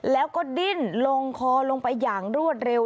แล้วก็ดิ้นลงคอลงไปอย่างรวดเร็ว